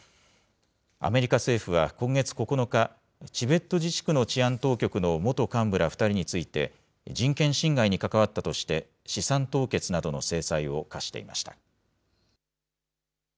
アメリカ政府は今月９日、チベット自治区の治安当局の元幹部ら２人について、人権侵害に関わったとして資産凍結などの制裁を科していました。